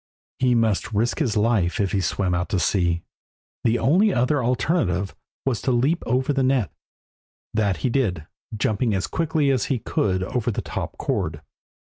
He must risk his life if he swam out to sea. The only other alternative was to leap over the net. That he did, jumping as quickly as he could over the top cord.